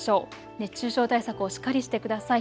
熱中症対策をしっかりしてください。